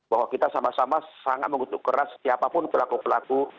bahwa kita sama sama sangat mengutuk keras siapapun pelaku pelaku